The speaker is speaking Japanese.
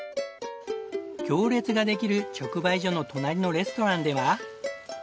行列ができる直売所の隣のレストランでは。